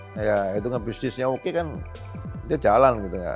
ngitungan bus listriknya oke kan dia jalan